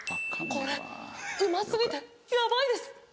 これうますぎてヤバいです